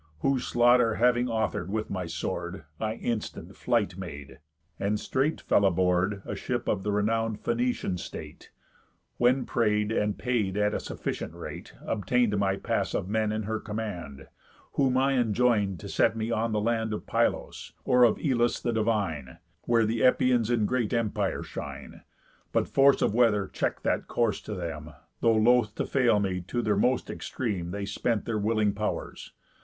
Whose slaughter having author'd with my sword, I instant flight made, and straight fell aboard A ship of the renown'd Phœnician state; When pray'r, and pay at a sufficient rate, Obtain'd my pass of men in her command; Whom I enjoin'd to set me on the land Of Pylos, or of Elis the divine, Where the Epeïans in great empire shine. But force of weather check'd that course to them, Though (loth to fail me) to their most extreme They spent their willing pow'rs.